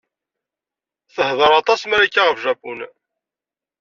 Tehḍeṛ aṭas Marika ɣef Japun?